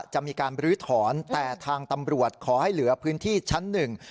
จะมีการบรื้อถอนแต่ทางตำรวจขอให้เหลือพื้นที่ชั้นหนึ่ง